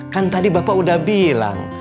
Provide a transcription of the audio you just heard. kan tadi bapak udah bilang